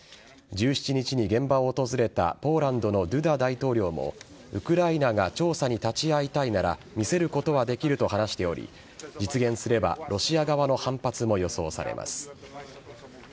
１７日に現場を訪れたポーランドのドゥダ大統領もウクライナが調査に立ち会いたいなら見せることはできると話しており実現すればロシア側の反発も予想されます。